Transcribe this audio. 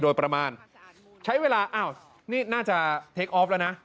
โดยประมาณใช้เวลาอ้าวนี่น่าจะเทคออฟแล้วนะ